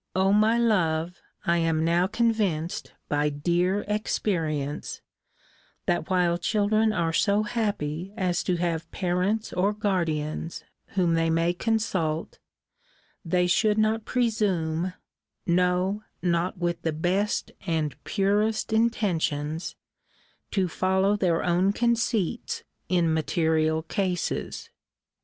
O my love, I am now convinced, by dear experience, that while children are so happy as to have parents or guardians whom they may consult, they should not presume (no, not with the best and purest intentions) to follow their own conceits in material cases.